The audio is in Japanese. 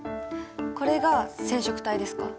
これが染色体ですか？